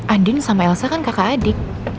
adin sama elsa kan kakak adik